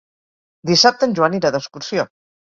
Dissabte en Joan irà d'excursió.